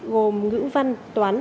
gồm ngữ văn toán ngoại truyền